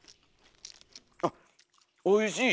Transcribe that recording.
あっおいしい。